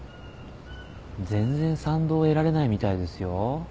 全然賛同得られないみたいですよ。